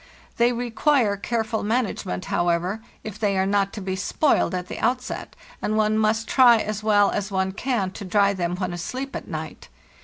They require careful management, however, if they are not to be spoiled at the outset, and one must try as well as one can to dry them when asleep at night.